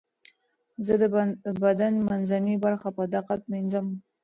زه د بدن منځنۍ برخه په دقت مینځم.